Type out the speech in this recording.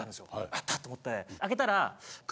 やった！と思って開けたら。